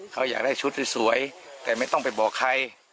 เขาอยากได้ชุดสวยแต่ไม่ต้องไปบอกใคร